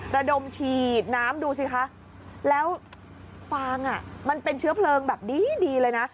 ระดมฉีดน้ำดูสิคะแล้วฟางอ่ะมันเป็นเชื้อเพลิงแบบดีดีเลยนะ